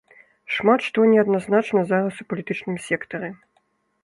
Шмат што неадназначна зараз у палітычным сектары.